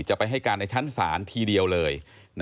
จะไปให้การในชั้นศาลทีเดียวเลย